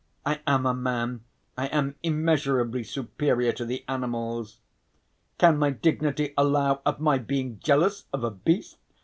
I am a man, I am immeasurably superior to the animals. Can my dignity allow of my being jealous of a beast?